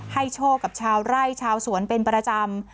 โชคกับชาวไร่ชาวสวนเป็นประจำ